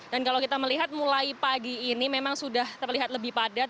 dan kalau kita melihat mulai pagi ini memang sudah terlihat lebih padat